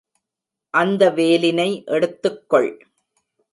அந்த வேலினை எடுத்துக்கொள்.